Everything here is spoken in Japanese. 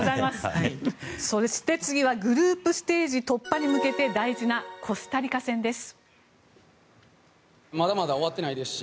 そして次はグループステージ突破に向けて大事なコスタリカ戦です。